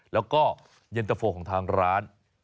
แล้วก็เย็นตะโฟของทางร้าน